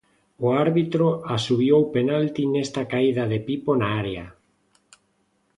O árbitro asubiou penalti nesta caída de Pipo na área.